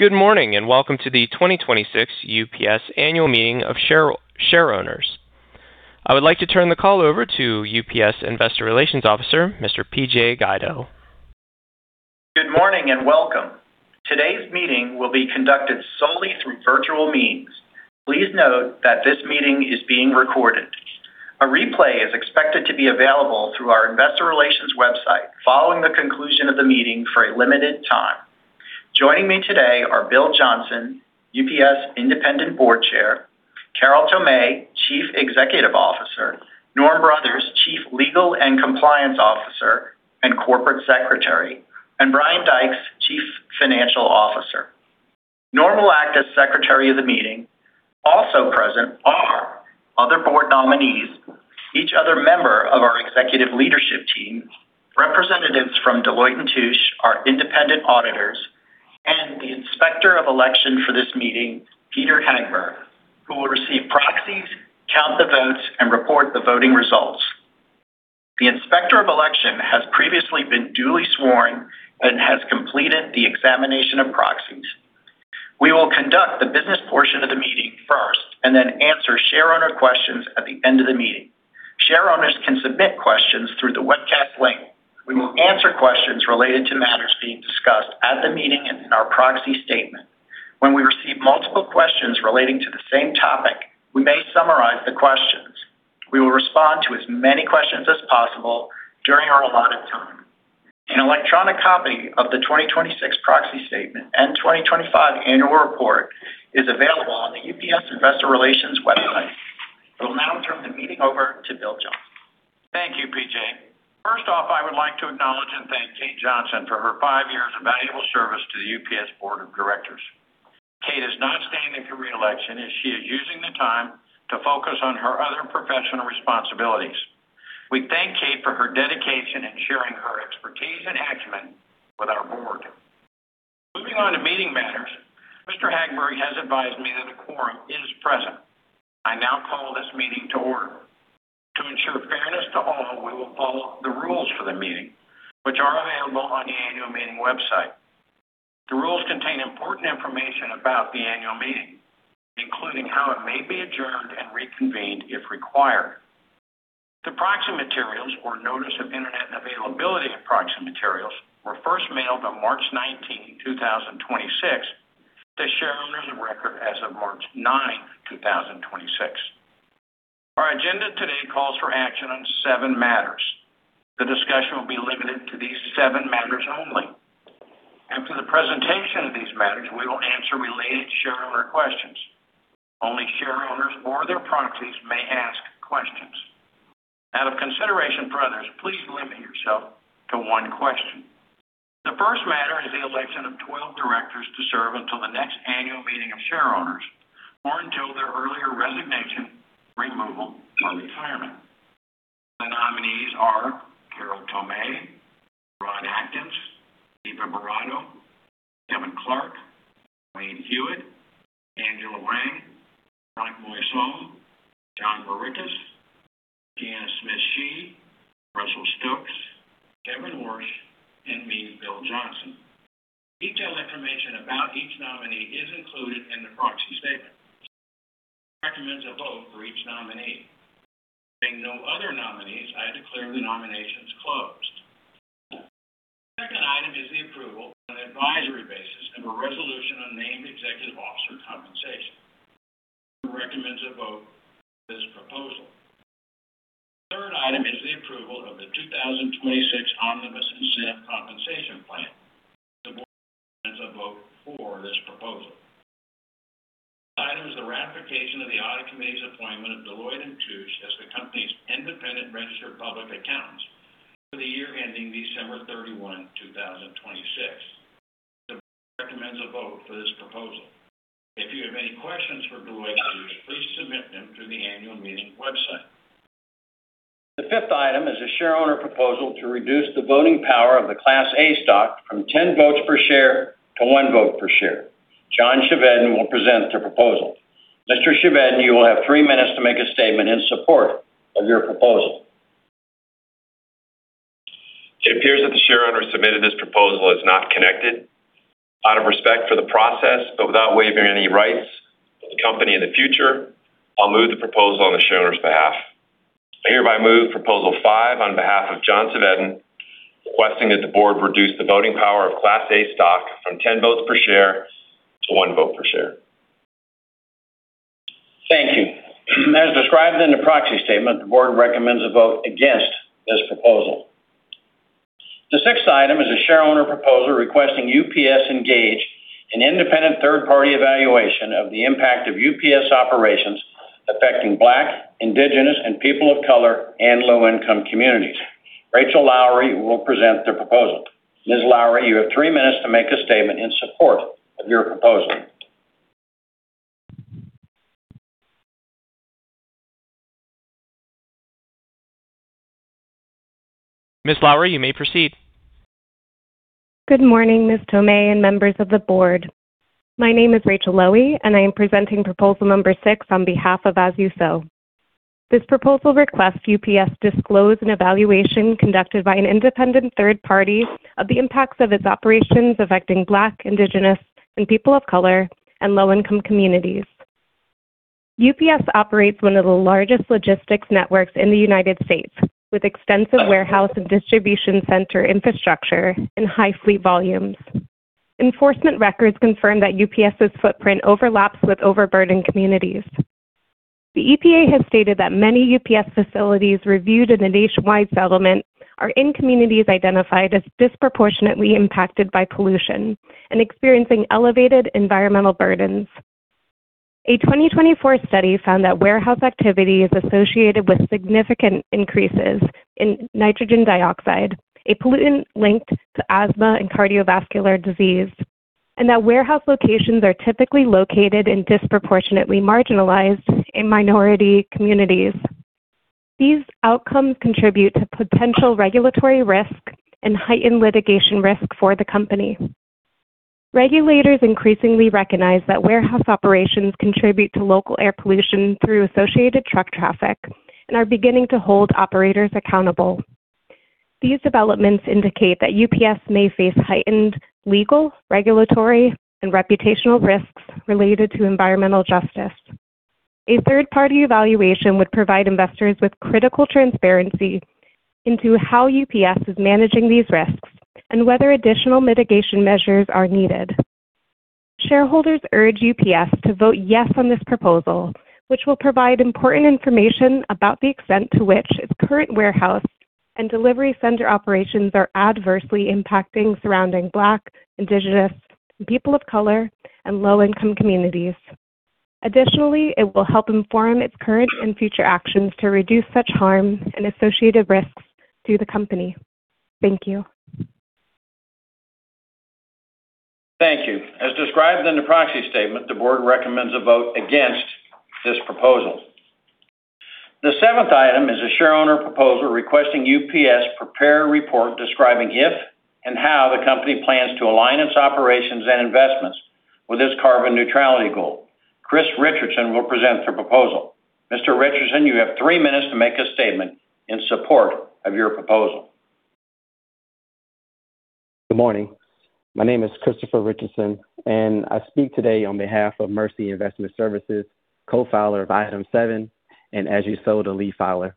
Good morning, and welcome to the 2026 UPS Annual Meeting of Shareowners. I would like to turn the call over to UPS Investor Relations Officer, Mr. PJ Guido. Good morning and welcome. Today's meeting will be conducted solely through virtual means. Please note that this meeting is being recorded. A replay is expected to be available through our investor relations website following the conclusion of the meeting for a limited time. Joining me today are Bill Johnson, UPS Independent Board Chair, Carol B. Tomé, Chief Executive Officer, Norman M. Brothers, Jr., Chief Legal and Compliance Officer and Corporate Secretary, and Brian Dykes, Chief Financial Officer. Norman M. Brothers, Jr. will act as Secretary of the meeting. Also present are other board nominees, each other member of our executive leadership team, representatives from Deloitte & Touche, our independent auditors, and the Inspector of Election for this meeting, Peter Hagberg, who will receive proxies, count the votes, and report the voting results. The Inspector of Election has previously been duly sworn and has completed the examination of proxies. We will conduct the business portion of the meeting first and then answer shareowner questions at the end of the meeting. Shareowners can submit questions through the webcast link. We will answer questions related to matters being discussed at the meeting and in our proxy statement. When we receive multiple questions relating to the same topic, we may summarize the questions. We will respond to as many questions as possible during our allotted time. An electronic copy of the 2026 proxy statement and 2025 annual report is available on the UPS Investor Relations website. I will now turn the meeting over to Bill Johnson. Thank you, PJ. First off, I would like to acknowledge and thank Kate Johnson for her five years of valuable service to the UPS Board of Directors. Kate is not standing for reelection, as she is using the time to focus on her other professional responsibilities. We thank Kate for her dedication in sharing her expertise and acumen with our board. Moving on to meeting matters. Mr. Hagberg has advised me that a quorum is present. I now call this meeting to order. To ensure fairness to all, we will follow the rules for the meeting, which are available on the annual meeting website. The rules contain important information about the annual meeting, including how it may be adjourned and reconvened if required. The proxy materials or notice of Internet and availability of proxy materials were first mailed on March 19, 2026 to shareowners of record as of March 9, 2026. Our agenda today calls for action on seven matters. The discussion will be limited to these seven matters only. After the presentation of these matters, we will answer related shareowner questions. Only shareowners or their proxies may ask questions. Out of consideration for others, please limit yourself to one question. The first matter is the election of 12 directors to serve until the next annual meeting of shareowners or until their earlier resignation, removal, or retirement. The nominees are Carol B. Tomé, Rodney C. Adkins, Eva Boratto, Kevin Clark, Wayne Hewett, Angela Hwang, Franck Moison, John Morikis, Christiana Smith Shi, Russell Stokes, Kevin Warsh, and me, Bill Johnson. Detailed information about each nominee is included in the proxy statement. Recommends a vote for each nominee. Having no other nominees, I declare the nominations closed. Second item is the approval on an advisory basis of a resolution on named executive officer compensation. Recommends a vote for this proposal. Third item is the approval of the 2026 omnibus incentive compensation plan. The board recommends a vote for this proposal. Item is the ratification of the Audit Committee's appointment of Deloitte & Touche as the company's independent registered public accountants for the year ending December 31, 2026. The board recommends a vote for this proposal. If you have any questions for Deloitte & Touche, please submit them through the annual meeting website. The fifth item is a Shareowner proposal to reduce the voting power of the Class A stock from 10 votes per share to one vote per share. John Chevedden will present the proposal. Mr. Chevedden, you will have three minutes to make a statement in support of your proposal. It appears that the shareowner who submitted this proposal is not connected. Out of respect for the process, but without waiving any rights to the company in the future, I'll move the proposal on the shareowner's behalf. I hereby move proposal five on behalf of John Chevedden, requesting that the board reduce the voting power of Class A stock from 10 votes per share to one vote per share. Thank you. As described in the proxy statement, the board recommends a vote against this proposal. The sixth item is a shareowner proposal requesting UPS engage an independent third-party evaluation of the impact of UPS operations affecting Black, Indigenous, and people of color in low-income communities. Rachel Lowy will present the proposal. Ms. Lowy, you have three minutes to make a statement in support of your proposal. Ms. Lowy, you may proceed. Good morning, Ms. Tomé and members of the board. My name is Rachel Lowy, and I am presenting proposal number six on behalf of As You Sow. This proposal requests UPS disclose an evaluation conducted by an independent third party of the impacts of its operations affecting Black, Indigenous, and people of color and low-income communities. UPS operates one of the largest logistics networks in the U.S., with extensive warehouse and distribution center infrastructure and high fleet volumes. Enforcement records confirm that UPS's footprint overlaps with overburdened communities. The EPA has stated that many UPS facilities reviewed in the nationwide settlement are in communities identified as disproportionately impacted by pollution and experiencing elevated environmental burdens. A 2024 study found that warehouse activity is associated with significant increases in nitrogen dioxide, a pollutant linked to asthma and cardiovascular disease, and that warehouse locations are typically located in disproportionately marginalized and minority communities. These outcomes contribute to potential regulatory risk and heightened litigation risk for the company. Regulators increasingly recognize that warehouse operations contribute to local air pollution through associated truck traffic and are beginning to hold operators accountable. These developments indicate that UPS may face heightened legal, regulatory, and reputational risks related to environmental justice. A third-party evaluation would provide investors with critical transparency into how UPS is managing these risks and whether additional mitigation measures are needed. Shareholders urge UPS to vote yes on this proposal, which will provide important information about the extent to which its current warehouse and delivery center operations are adversely impacting surrounding Black, Indigenous, and people of color, and low-income communities. Additionally, it will help inform its current and future actions to reduce such harm and associated risks to the company. Thank you. Thank you. As described in the proxy statement, the Board recommends a vote against this proposal. The seventh item is a Shareowner proposal requesting UPS prepare a report describing if and how the company plans to align its operations and investments with its carbon neutrality goal. Chris Richardson will present the proposal. Mr. Richardson, you have three minutes to make a statement in support of your proposal. Good morning. My name is Christopher Richardson, I speak today on behalf of Mercy Investment Services, co-filer of item seven, As You Sow, the lead filer.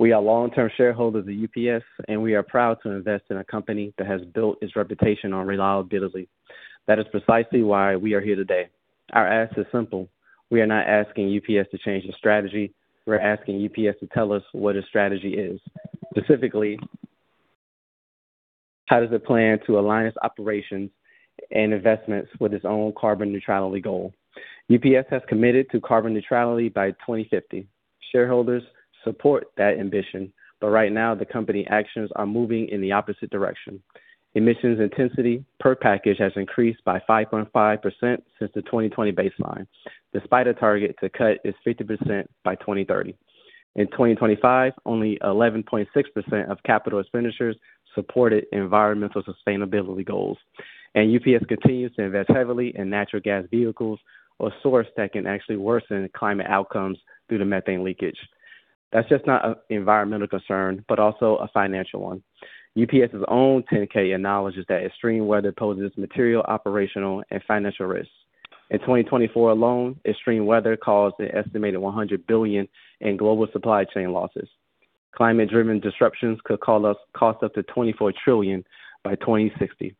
We are long-term shareholders of UPS, We are proud to invest in a company that has built its reputation on reliability. That is precisely why we are here today. Our ask is simple. We are not asking UPS to change their strategy. We're asking UPS to tell us what its strategy is. Specifically, how does it plan to align its operations and investments with its own carbon neutrality goal? UPS has committed to carbon neutrality by 2050. Shareholders support that ambition, Right now the company actions are moving in the opposite direction. Emissions intensity per package has increased by 5.5% since the 2020 baseline, despite a target to cut it 50% by 2030. In 2025, only 11.6% of capital expenditures supported environmental sustainability goals. UPS continues to invest heavily in natural gas vehicles or source that can actually worsen climate outcomes due to methane leakage. That's just not an environmental concern, but also a financial one. UPS' own Form 10-K acknowledges that extreme weather poses material, operational, and financial risks. In 2024 alone, extreme weather caused an estimated $100 billion in global supply chain losses. Climate-driven disruptions could cost up to $24 trillion by 2060.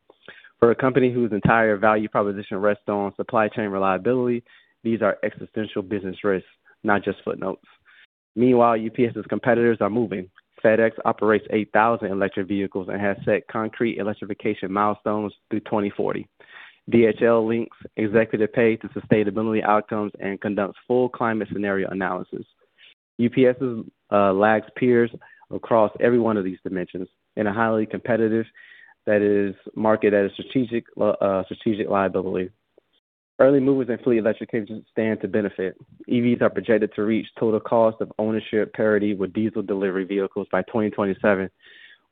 For a company whose entire value proposition rests on supply chain reliability, these are existential business risks, not just footnotes. Meanwhile, UPS's competitors are moving. FedEx operates 8,000 electric vehicles and has set concrete electrification milestones through 2040. DHL links executive pay to sustainability outcomes and conducts full climate scenario analysis. UPS lags peers across every one of these dimensions in a highly competitive that is market at a strategic liability. Early movers in fleet electrification stand to benefit. EVs are projected to reach total cost of ownership parity with diesel delivery vehicles by 2027,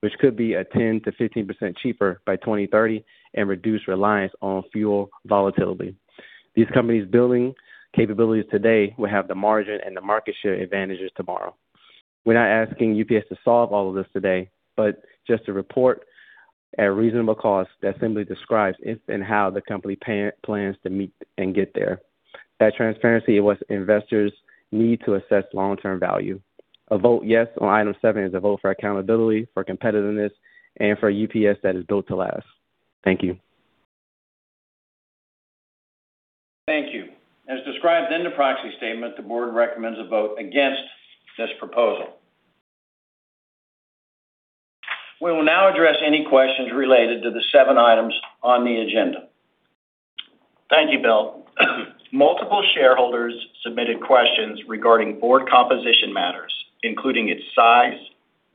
which could be a 10%-15% cheaper by 2030 and reduce reliance on fuel volatility. These companies building capabilities today will have the margin and the market share advantages tomorrow. We're not asking UPS to solve all of this today, but just to report at reasonable cost that simply describes if and how the company plans to meet and get there. That transparency is what investors need to assess long-term value. A vote yes on item seven is a vote for accountability, for competitiveness, and for a UPS that is built to last. Thank you. Thank you. As described in the proxy statement, the Board recommends a vote against this proposal. We will now address any questions related to the seven items on the agenda. Thank you, Bill. Multiple shareholders submitted questions regarding board composition matters, including its size,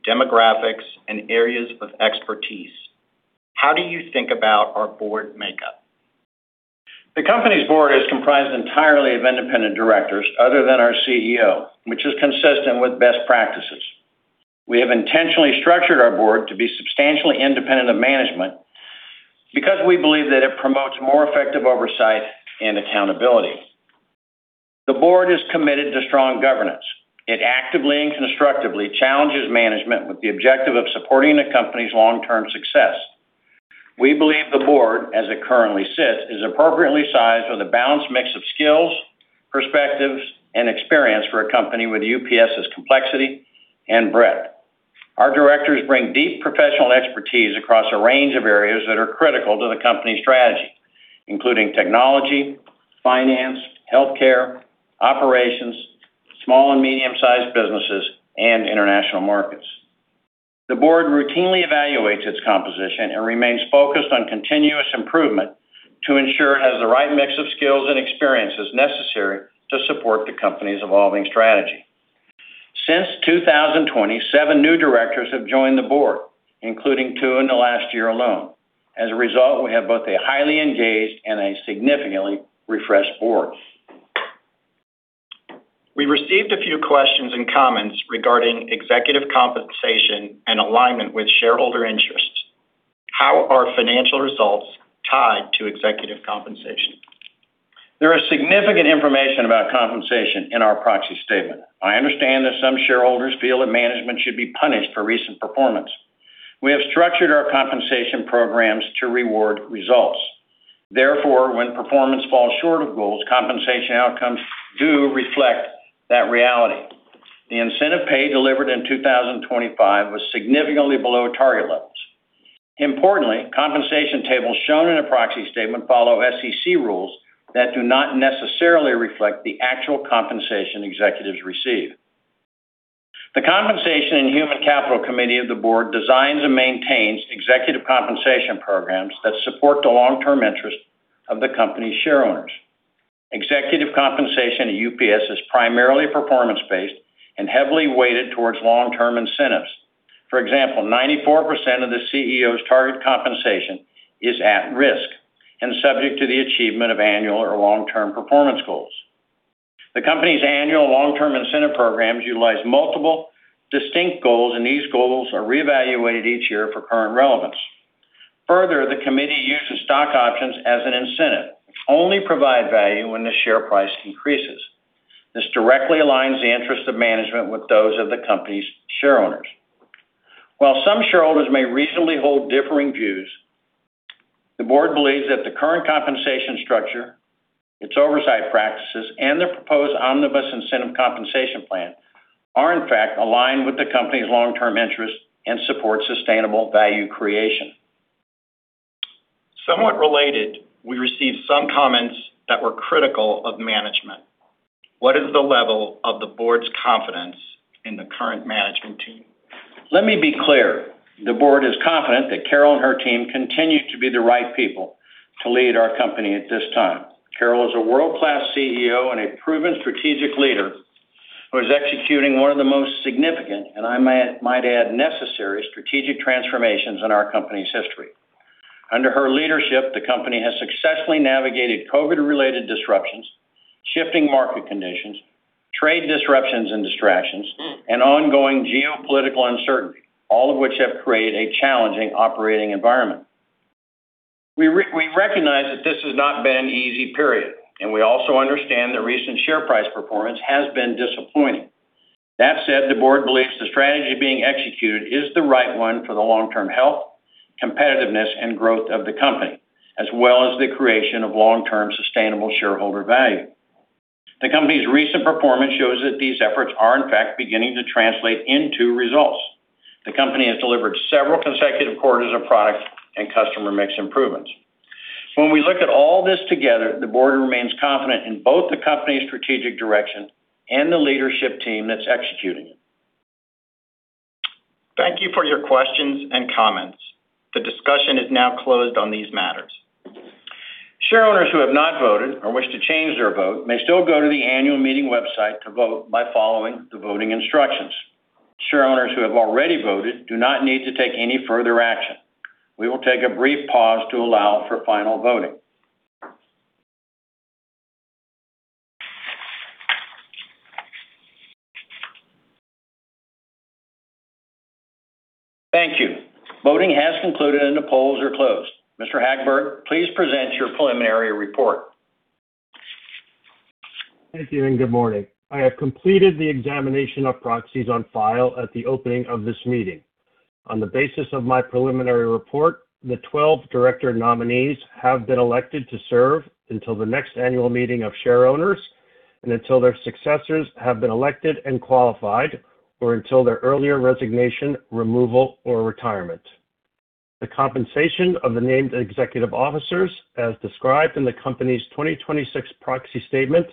demographics, and areas of expertise. How do you think about our board makeup? The company's board is comprised entirely of independent directors other than our CEO, which is consistent with best practices. We have intentionally structured our board to be substantially independent of management because we believe that it promotes more effective oversight and accountability. The board is committed to strong governance. It actively and constructively challenges management with the objective of supporting the company's long-term success. We believe the board, as it currently sits, is appropriately sized with a balanced mix of skills, perspectives, and experience for a company with UPS's complexity and breadth. Our directors bring deep professional expertise across a range of areas that are critical to the company's strategy, including technology, finance, healthcare, operations, small and medium-sized businesses, and international markets. The board routinely evaluates its composition and remains focused on continuous improvement to ensure it has the right mix of skills and experiences necessary to support the company's evolving strategy. Since 2020, seven new directors have joined the board, including two in the last year alone. As a result, we have both a highly engaged and a significantly refreshed board. We received a few questions and comments regarding executive compensation and alignment with shareholder interests. How are financial results tied to executive compensation? There is significant information about compensation in our proxy statement. I understand that some shareholders feel that management should be punished for recent performance. We have structured our compensation programs to reward results. Therefore, when performance falls short of goals, compensation outcomes do reflect that reality. The incentive pay delivered in 2025 was significantly below target levels. Importantly, compensation tables shown in a proxy statement follow SEC rules that do not necessarily reflect the actual compensation executives receive. The Compensation and Human Capital Committee of the board designs and maintains executive compensation programs that support the long-term interest of the company's shareowners. Executive compensation at UPS is primarily performance-based and heavily weighted towards long-term incentives. For example, 94% of the CEO's target compensation is at risk and subject to the achievement of annual or long-term performance goals. The company's annual long-term incentive programs utilize multiple distinct goals. These goals are reevaluated each year for current relevance. Further, the committee uses stock options as an incentive, which only provide value when the share price increases. This directly aligns the interests of management with those of the company's shareowners. While some shareholders may reasonably hold differing views, the board believes that the current compensation structure, its oversight practices, and the proposed omnibus incentive compensation plan are in fact aligned with the company's long-term interests and support sustainable value creation. Somewhat related, we received some comments that were critical of management. What is the level of the board's confidence in the current management team? Let me be clear. The board is confident that Carol and her team continue to be the right people to lead our company at this time. Carol is a world-class CEO and a proven strategic leader who is executing one of the most significant, and I might add necessary, strategic transformations in our company's history. Under her leadership, the company has successfully navigated COVID-related disruptions, shifting market conditions, trade disruptions and distractions, and ongoing geopolitical uncertainty, all of which have created a challenging operating environment. We recognize that this has not been an easy period, and we also understand the recent share price performance has been disappointing. That said, the board believes the strategy being executed is the right one for the long-term health, competitiveness, and growth of the company, as well as the creation of long-term sustainable shareholder value. The company's recent performance shows that these efforts are in fact beginning to translate into results. The company has delivered several consecutive quarters of product and customer mix improvements. When we look at all this together, the board remains confident in both the company's strategic direction and the leadership team that's executing it. Thank you for your questions and comments. The discussion is now closed on these matters. Shareowners who have not voted or wish to change their vote may still go to the annual meeting website to vote by following the voting instructions. Shareowners who have already voted do not need to take any further action. We will take a brief pause to allow for final voting. Thank you. Voting has concluded, and the polls are closed. Mr. Hagberg, please present your preliminary report. Thank you, and good morning. I have completed the examination of proxies on file at the opening of this meeting. On the basis of my preliminary report, the 12 director nominees have been elected to serve until the next annual meeting of shareowners and until their successors have been elected and qualified or until their earlier resignation, removal, or retirement. The compensation of the named executive officers, as described in the company's 2026 proxy statement,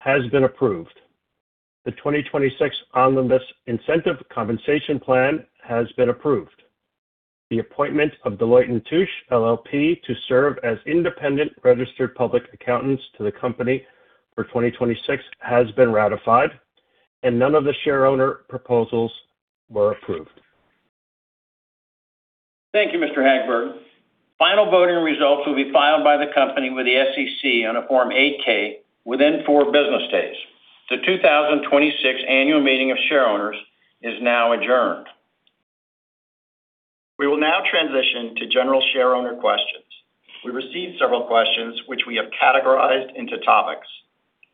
has been approved. The 2026 omnibus incentive compensation plan has been approved. The appointment of Deloitte & Touche LLP to serve as independent registered public accountants to the company for 2026 has been ratified, and none of the shareowner proposals were approved. Thank you, Mr. Hagberg. Final voting results will be filed by the company with the SEC on a Form 8-K within four business days. The 2026 annual meeting of shareowners is now adjourned. We will now transition to general shareowner questions. We received several questions which we have categorized into topics.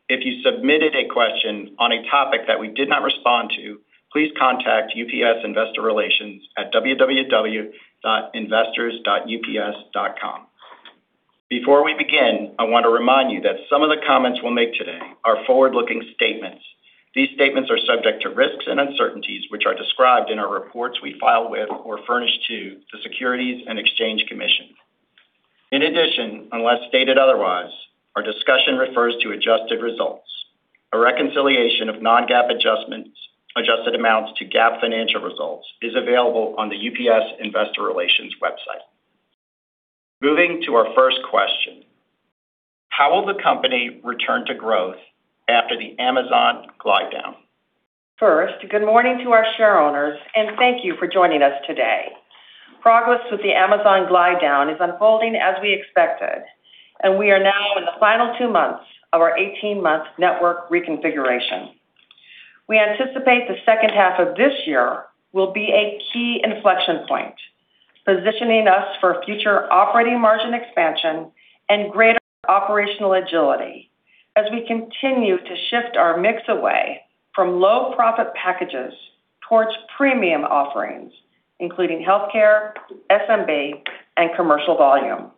If you submitted a question on a topic that we did not respond to, please contact UPS Investor Relations at www.investors.ups.com. Before we begin, I want to remind you that some of the comments we'll make today are forward-looking statements. These statements are subject to risks and uncertainties which are described in our reports we file with or furnish to the Securities and Exchange Commission. In addition, unless stated otherwise, our discussion refers to adjusted results. A reconciliation of non-GAAP adjustments, adjusted amounts to GAAP financial results is available on the UPS Investor Relations website. Moving to our first question, how will the company return to growth after the Amazon glide down? First, good morning to our shareowners, and thank you for joining us today. Progress with the Amazon glide down is unfolding as we expected. We are now in the final two months of our 18-month network reconfiguration. We anticipate the second half of this year will be a key inflection point, positioning us for future operating margin expansion and greater operational agility as we continue to shift our mix away from low-profit packages towards premium offerings, including healthcare, SMB, and commercial volume.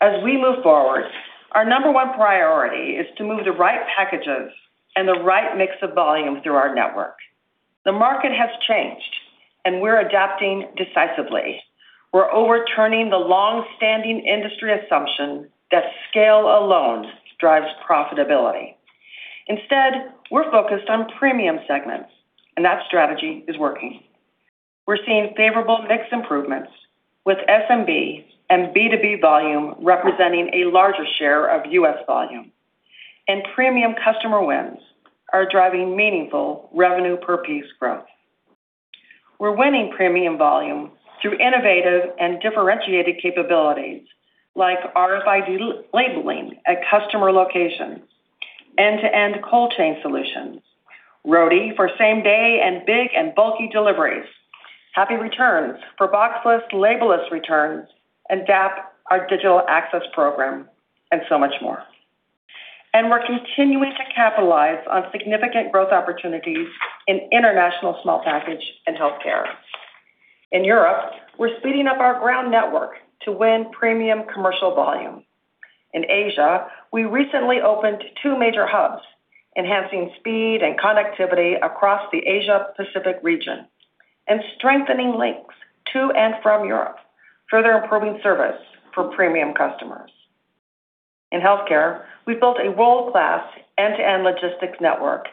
As we move forward, our number one priority is to move the right packages and the right mix of volume through our network. The market has changed, and we're adapting decisively. We're overturning the long-standing industry assumption that scale alone drives profitability. Instead, we're focused on premium segments. That strategy is working. We're seeing favorable mix improvements with SMB and B2B volume representing a larger share of U.S. volume. Premium customer wins are driving meaningful revenue per piece growth. We're winning premium volume through innovative and differentiated capabilities like RFID labeling at customer locations, end-to-end cold chain solutions, Roadie for same-day and big and bulky deliveries, Happy Returns for boxless, labeless returns, DAP, our Digital Access Program, and so much more. We're continuing to capitalize on significant growth opportunities in international small package and healthcare. In Europe, we're speeding up our ground network to win premium commercial volume. In Asia, we recently opened two major hubs, enhancing speed and connectivity across the Asia Pacific region and strengthening links to and from Europe, further improving service for premium customers. In healthcare, we've built a world-class end-to-end logistics network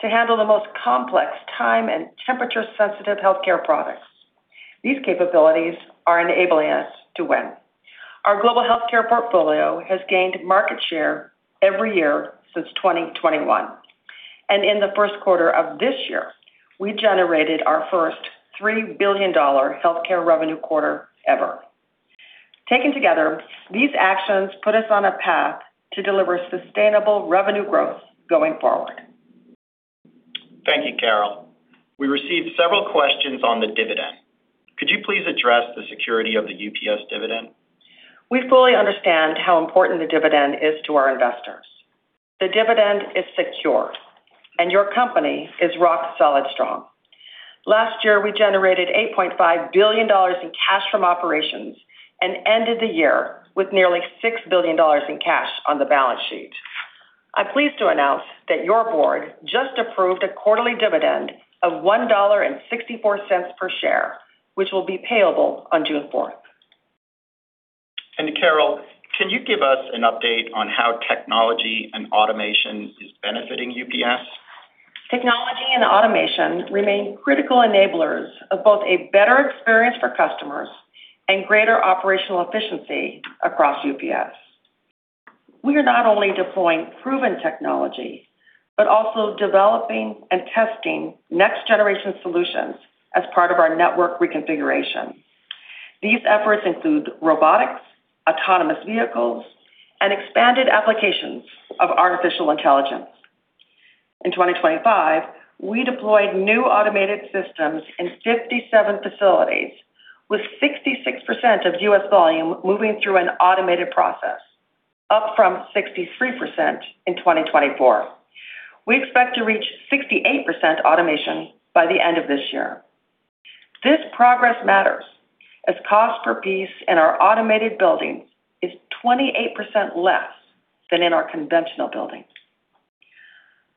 to handle the most complex time and temperature-sensitive healthcare products. These capabilities are enabling us to win. Our global healthcare portfolio has gained market share every year since 2021. In the first quarter of this year, we generated our first $3 billion healthcare revenue quarter ever. Taken together, these actions put us on a path to deliver sustainable revenue growth going forward. Thank you, Carol. We received several questions on the dividend. Could you please address the security of the UPS dividend? We fully understand how important the dividend is to our investors. The dividend is secure, and your company is rock-solid strong. Last year, we generated $8.5 billion in cash from operations and ended the year with nearly $6 billion in cash on the balance sheet. I'm pleased to announce that your board just approved a quarterly dividend of $1.64 per share, which will be payable on June 4th. Carol B. Tomé, can you give us an update on how technology and automation is benefiting UPS? Technology and automation remain critical enablers of both a better experience for customers and greater operational efficiency across UPS. We are not only deploying proven technology, but also developing and testing next-generation solutions as part of our network reconfiguration. These efforts include robotics, autonomous vehicles, and expanded applications of artificial intelligence. In 2025, we deployed new automated systems in 57 facilities with 66% of U.S. volume moving through an automated process, up from 63% in 2024. We expect to reach 68% automation by the end of this year. This progress matters as cost per piece in our automated buildings is 28% less than in our conventional buildings.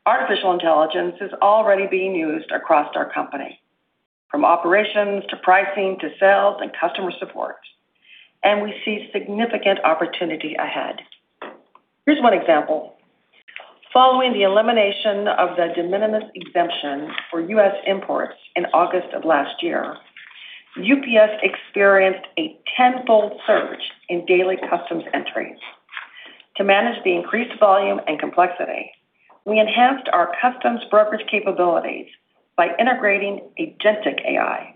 Artificial intelligence is already being used across our company, from operations to pricing to sales and customer support, and we see significant opportunity ahead. Here's one example. Following the elimination of the de minimis exemption for U.S. imports in August of last year, UPS experienced a 10-fold surge in daily customs entries. To manage the increased volume and complexity, we enhanced our customs brokerage capabilities by integrating agentic AI.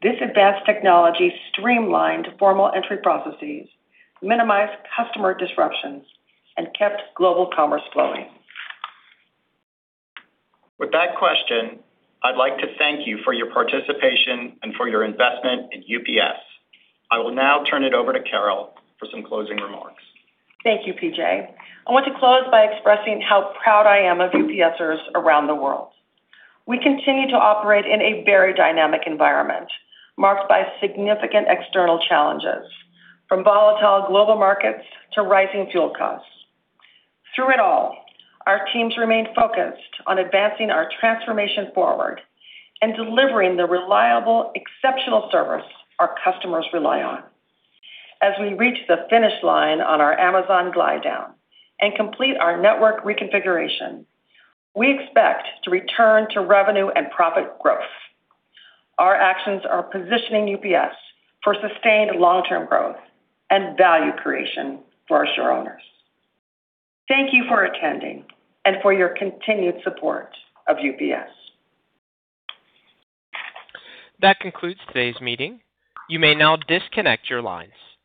This advanced technology streamlined formal entry processes, minimized customer disruptions, and kept global commerce flowing. With that question, I'd like to thank you for your participation and for your investment in UPS. I will now turn it over to Carol for some closing remarks. Thank you, PJ. I want to close by expressing how proud I am of UPSers around the world. We continue to operate in a very dynamic environment, marked by significant external challenges, from volatile global markets to rising fuel costs. Through it all, our teams remain focused on advancing our transformation forward and delivering the reliable, exceptional service our customers rely on. As we reach the finish line on our Amazon glide down and complete our network reconfiguration, we expect to return to revenue and profit growth. Our actions are positioning UPS for sustained long-term growth and value creation for our shareowners. Thank you for attending and for your continued support of UPS. That concludes today's meeting. You may now disconnect your lines.